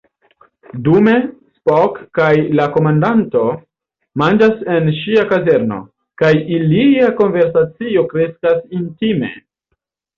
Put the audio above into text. Dume, Spock kaj la komandanto manĝas en ŝia kazerno, kaj ilia konversacio kreskas intime.